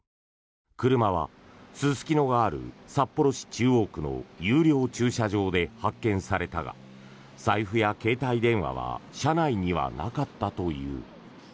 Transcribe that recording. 車はすすきのがある札幌市中央区の有料駐車場で発見されたが財布や携帯電話は車内にはなかったという。